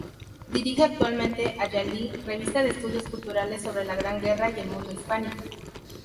Dirige actualmente Hallali.Revista de estudios culturales sobre la Gran Guerra y el mundo hispánico.